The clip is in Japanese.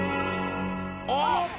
あっ！